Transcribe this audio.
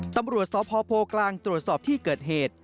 ตำรวจสพโพกลางตรวจสอบที่เกิดเหตุ